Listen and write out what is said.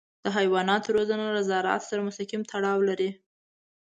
د حیواناتو روزنه له زراعت سره مستقیم تړاو لري.